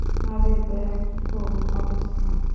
আরে, দেখো অবস্থা।